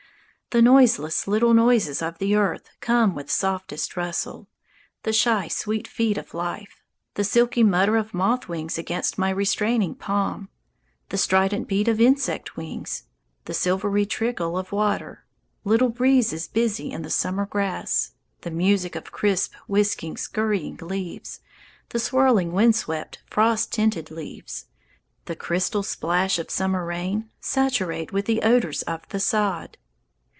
The noiseless little noises of the earth Come with softest rustle; The shy, sweet feet of life; The silky mutter of moth wings Against my restraining palm; The strident beat of insect wings, The silvery trickle of water; Little breezes busy in the summer grass; The music of crisp, whisking, scurrying leaves, The swirling, wind swept, frost tinted leaves; The crystal splash of summer rain, Saturate with the odours of the sod.